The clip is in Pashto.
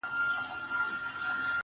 دا کتاب ختم سو نور، یو بل کتاب راکه,